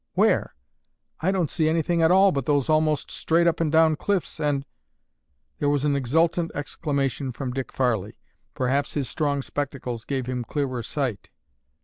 Where? I don't see anything at all but those almost straight up and down cliffs and—" There was an exultant exclamation from Dick Farley. Perhaps his strong spectacles gave him clearer sight.